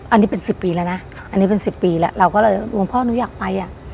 อันนี้เป็นสิบปีแล้วนะอันนี้เป็นสิบปีแล้วเราก็เลยหลวงพ่อหนูอยากไปอ่ะ